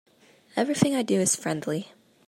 Everything I do is friendly.